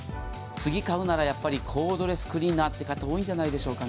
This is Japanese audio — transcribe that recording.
次、買うならやっぱりコードレスクリーナーという方多いんじゃないでしょうか。